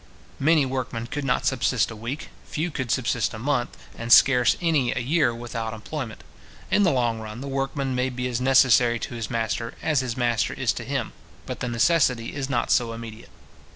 Many workmen could not subsist a week, few could subsist a month, and scarce any a year, without employment. In the long run, the workman may be as necessary to his master as his master is to him; but the necessity is not so immediate.